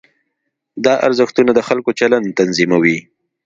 دا ارزښتونه د خلکو چلند تنظیموي.